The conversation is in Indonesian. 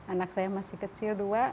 anak saya masih kecil dua